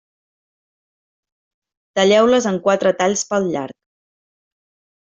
Talleu-les en quatre talls pel llarg.